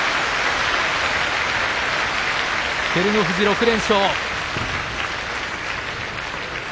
照ノ富士、６連勝。